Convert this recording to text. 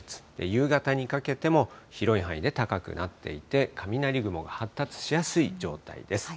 夕方にかけても、広い範囲で高くなっていて、雷雲が発達しやすい状態です。